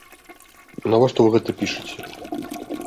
Навошта вы гэта пішаце?